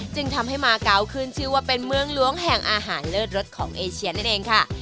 จึงทำให้มาเกาะขึ้นชื่อว่าเป็นเมืองล้วงแห่งอาหารเลิศรสของเอเชียนั่นเองค่ะ